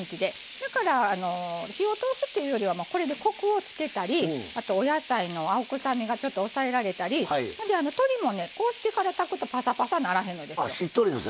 だから火を通すというよりはこれでコクをつけたりお野菜の青臭みがちょっと抑えられたり鶏もねこうしてから炊くとパサパサにならへんのですよ。